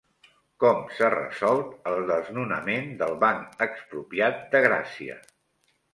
Com s'ha resolt el desnonament del Banc Expropiat de Gràcia?